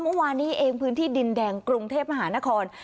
โอนุเวียนวานนี้เองคือพื้นที่ดินแดงกรุงเทพฯมหานคร